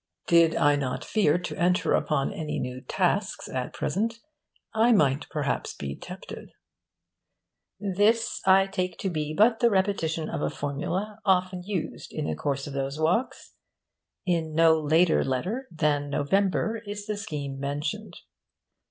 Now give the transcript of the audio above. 'Did I not fear to enter upon any new tasks at present, I might perhaps be tempted.' This I take to be but the repetition of a formula often used in the course of those walks. In no letter later than November is the scheme mentioned.